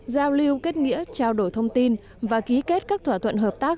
giao lưu kết nghĩa trao đổi thông tin và ký kết các thỏa thuận hợp tác